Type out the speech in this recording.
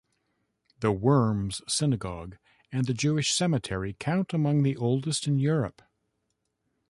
The Worms Synagogue and the Jewish Cemetery count among the oldest in Europe.